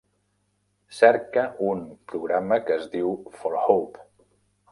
Cerca un programa que es diu "For Hope"